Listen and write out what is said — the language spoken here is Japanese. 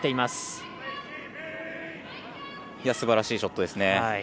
すばらしいショットですね。